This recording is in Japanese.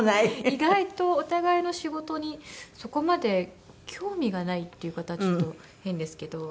意外とお互いの仕事にそこまで興味がないって言い方はちょっと変ですけど。